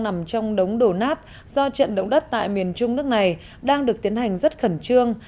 nằm trong đống đổ nát do trận động đất tại miền trung nước này đang được tiến hành rất khẩn trương